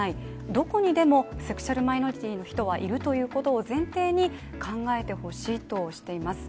どこにでもセクシャルマイノリティーの人はいるということを前提に考えてほしいとしています。